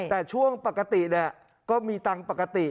แต่ช่วงปกติก็มีตังค์ปกติ